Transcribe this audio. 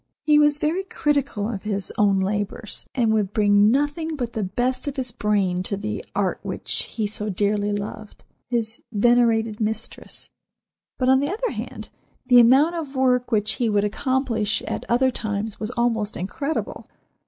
He was very critical of his own labors, and would bring nothing but the best of his brain to the art which he so dearly loved—his venerated mistress. But, on the other hand, the amount of work which he would accomplish at other times was almost incredible.